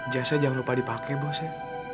jasa jangan lupa dipakai bos ya